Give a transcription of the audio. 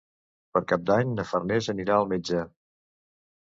Per Cap d'Any na Farners anirà al metge.